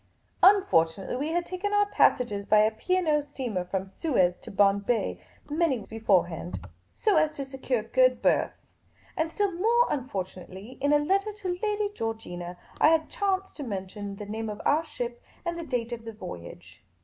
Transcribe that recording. Unfortunately, we had taken our passages by a P. and O. steamer from Suez to Bombay many weeks beforehand, so 207 2o8 Miss Cayley's Adventures as to secure good berths ; and still more unfortunatelj', in a letter to Lady Georgina, I had chanced to mention the name of our ship and the date of the voyage.